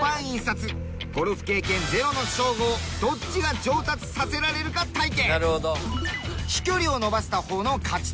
ゴルフ経験ゼロのショーゴをどっちが上達させられるか対決。